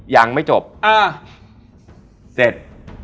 ยังไม่จบอ่าเสร็จ